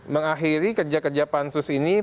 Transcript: mengakhiri kerja kerja pansus ini